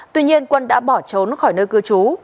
tuy nhiên quân đã bỏ trốn khỏi nơi cư trú